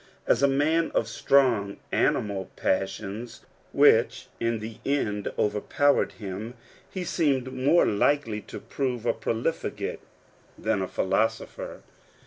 As a man of strong animal passions, which in the end over powered him, he seemed more likely to prove a profligate than a philosopher.